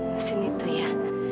mesin itu ya